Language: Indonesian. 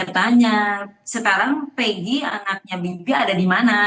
ya saya tanya sekarang peggy anaknya bibi ada di mana